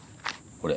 これ。